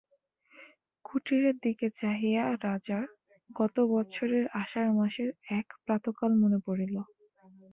কুটিরের দিকে চাহিয়া রাজার গত বৎসরের আষাঢ় মাসের এক প্রাতঃকাল মনে পড়িল।